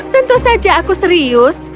tentu saja aku serius